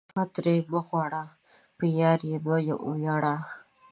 وفا ترې مه غواړه، په یارۍ یې مه ویاړه